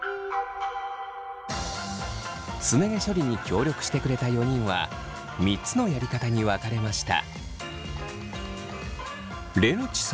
すね毛処理に協力してくれた４人は３つのやり方に分かれました。